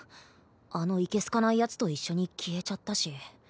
あのいけ好かない奴と一緒に消えちゃったし。